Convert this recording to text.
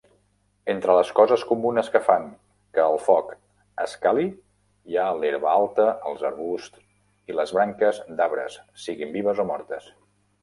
Entre les coses comunes que fan que el foc escali hi ha l'herba alta, els arbusts i les branques d'arbres, siguin vives o mortes.